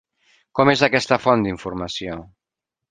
Com és aquesta font d'informació?